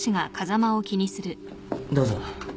どうぞ。